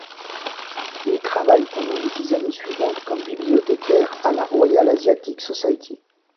Il travaille pendant les dix années suivantes comme bibliothécaire à la Royal Asiatic Society.